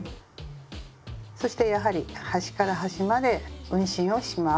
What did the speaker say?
そしてやはり端から端まで運針をします。